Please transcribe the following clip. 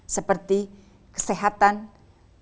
seperti kesehatan kesehatan ekonomi dan keuntungan